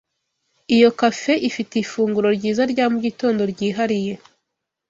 Iyo cafe ifite ifunguro ryiza rya mugitondo ryihariye.